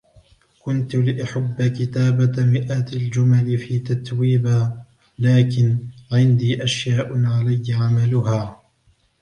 كنتُ لأحب كتابة مئات الجمل في تتويبا ، لكن ، عندي أشياء عليّ عملها.